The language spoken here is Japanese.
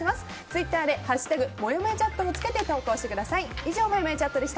ツイッターで「＃もやもやチャット」をつけて投稿してください。